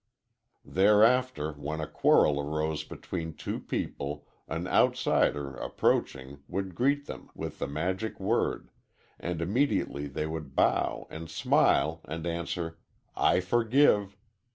Thereafter, when a quarrel arose between two people, an outsider, approaching, would greet them with the magic word, and immediately they would bow and smile, and answer, 'I forgive.'